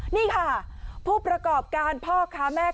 นี่ค่ะผู้ประกอบการพ่อค้าแม่